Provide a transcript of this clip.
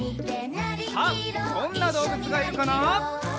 さあどんなどうぶつがいるかな？